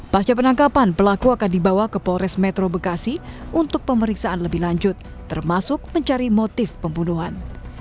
pasca penangkapan pelaku akan dibawa ke polres metro bekasi untuk pemeriksaan lebih lanjut termasuk mencari motif pembunuhan